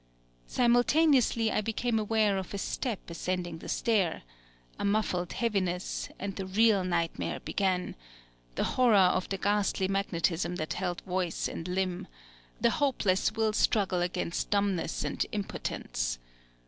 Simultaneously I became aware of a Step ascending the stair, a muffled heaviness; and the real nightmare began, the horror of the ghastly magnetism that held voice and limb, the hopeless will struggle against dumbness and impotence.